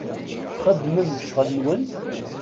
Txedmem ccɣel-nwen?